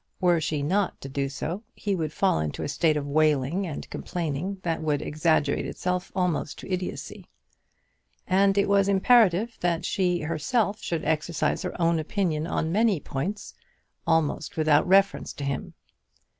Were she not to do so, he would fall into a state of wailing and complaining that would exaggerate itself almost to idiotcy. And it was imperative that she herself should exercise her own opinion on many points, almost without reference to him.